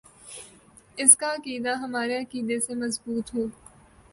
اس کا عقیدہ ہمارے عقیدے سے مضبوط ہو